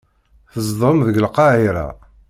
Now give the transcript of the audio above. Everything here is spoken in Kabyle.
Tzedɣem deg Lqahira.